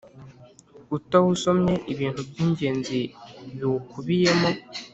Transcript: utawusomye ibintu by’ingenzi biwukubiyemo.